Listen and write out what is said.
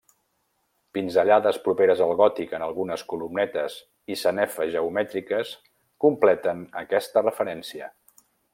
Pinzellades properes al gòtic en algunes columnetes i sanefes geomètriques completen aquesta referència.